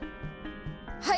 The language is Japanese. はい！